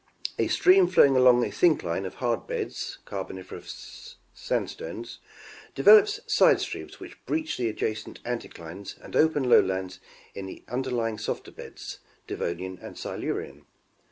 A stream flowing along a syncline of hard beds (Carbon iferous sandstones) developes side streams which breach the adja cent anticlines and open lowlands in the underlying softer beds (Devonian and Silurian).